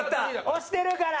推してるから！